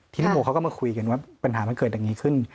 ทีนี้โมเขาก็มาคุยกันว่าปัญหามันเกิดอย่างนี้ขึ้น